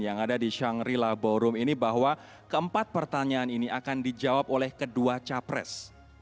yang ada di shangri la ballroom ini bahwa keempat pertanyaan ini akan dijawab oleh kedua capres